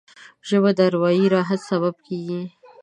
ژبه د اروايي راحت سبب کېږي